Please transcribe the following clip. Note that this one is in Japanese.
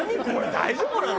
大丈夫なの？